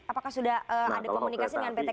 apakah sudah ada komunikasi dengan pt